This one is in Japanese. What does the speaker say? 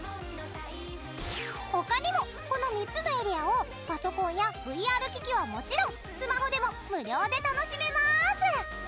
他にも、この３つのエリアをパソコンやＶＲ機器はもちろんスマホでも無料で楽しめます！